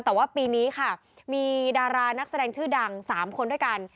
แต่ว่าปีนี้ค่ะมีดารานักแสดงชื่อดัง๓คนด้วยกัน